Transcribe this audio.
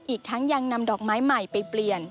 อีกทั้งยังนำดอกไม้ใหม่ไปเปลี่ยน